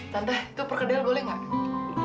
tante itu perkedel boleh nggak